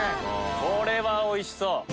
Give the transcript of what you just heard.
これはおいしそう！